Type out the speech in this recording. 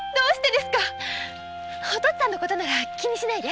お父っつぁんなら気にしないで。